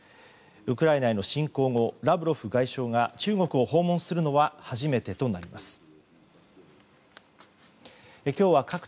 ウクライナへの侵攻後ラブロフ外相が中国を訪問するのは初めてとなります。